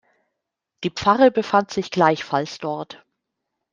Die Pfarre befand sich gleichfalls dort.